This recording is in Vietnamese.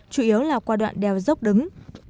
chủ yếu là qua đoạn đèo dốc đứng